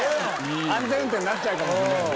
安全運転になっちゃうかもしれないよね。